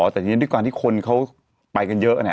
แต่ทีนี้ด้วยการที่คนเขาไปกันเยอะเนี่ย